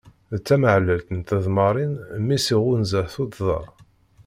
D tameɛlalt n tedmarin mmi-s iɣunza tuṭṭḍa.